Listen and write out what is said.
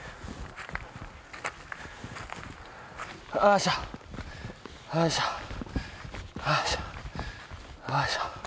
よいしょよいしょよいしょよいしょ。